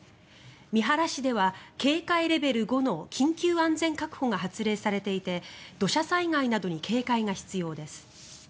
三原市では警戒レベル５の緊急安全確保が発令されていて土砂災害などに警戒が必要です。